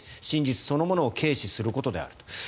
真実そのものを軽視することであると。